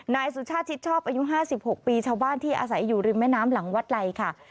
นายสุชาติชิดชอบอายุ๕๖ปีชาวบ้านที่อาศัยอยู่ริมแม่น้ำหลังวัดไลค่ะ